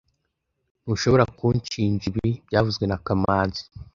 Ntushobora kunshinja ibi byavuzwe na kamanzi